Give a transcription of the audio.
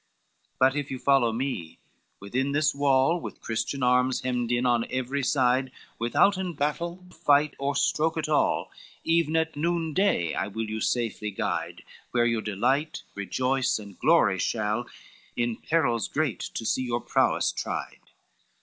XII "But if you follow me, within this wall With Christian arms hemmed in on every side, Withouten battle, fight, or stroke at all, Even at noonday, I will you safely guide, Where you delight, rejoice, and glory shall In perils great to see your prowess tried.